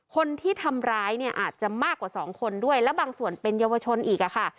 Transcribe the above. คนที่ทำร้ายเนี่ยอาจจะมากกว่าสองคนด้วยและบางส่วนเป็นเยาวชนอีกอะค่ะ